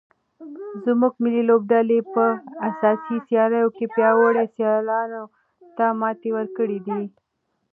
زموږ ملي لوبډلې په اسیايي سیالیو کې پیاوړو سیالانو ته ماتې ورکړې ده.